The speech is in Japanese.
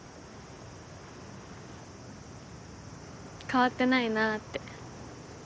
変わってないなって。